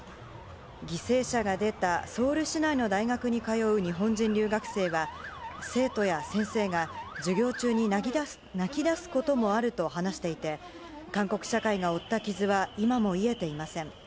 犠牲者が出たソウル市内の大学に通う日本人留学生は、生徒や先生が授業中に泣きだすこともあると話していて、韓国社会が負った傷は今も癒えていません。